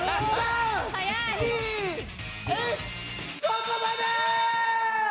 そこまで！